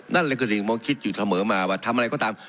นั่นเลยคือสิ่งที่ผมคิดอยู่เสมอมาว่าทำอะไรก็ตาม